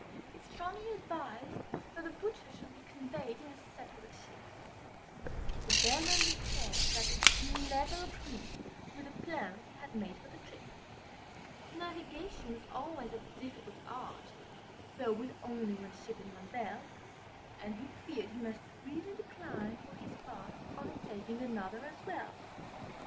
It strongly advised that the Butcher should be Â Â Â Â Conveyed in a separate ship: But the Bellman declared that would never agree Â Â Â Â With the plans he had made for the trip: Navigation was always a difficult art, Â Â Â Â Though with only one ship and one bell: And he feared he must really decline, for his part, Â Â Â Â Undertaking another as well.